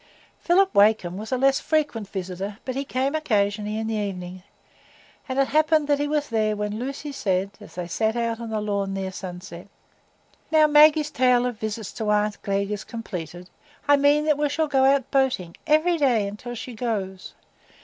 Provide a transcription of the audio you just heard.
Philip Wakem was a less frequent visitor, but he came occasionally in the evening, and it happened that he was there when Lucy said, as they sat out on the lawn, near sunset,— "Now Maggie's tale of visits to aunt Glegg is completed, I mean that we shall go out boating every day until she goes.